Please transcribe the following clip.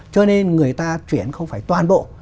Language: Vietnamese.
cho nên người ta chuyển không phải toàn bộ